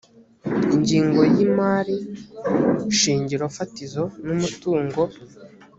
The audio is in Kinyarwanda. ingingo ya imari shingiro fatizo n umutungo